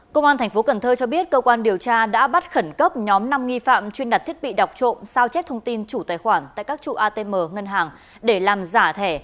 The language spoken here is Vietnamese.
công an tp cn cho biết cơ quan điều tra đã bắt khẩn cấp nhóm năm nghi phạm chuyên đặt thiết bị đọc trộm sao chép thông tin chủ tài khoản tại các trụ atm ngân hàng để làm giả thẻ